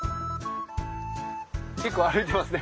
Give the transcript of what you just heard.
結構歩いてますね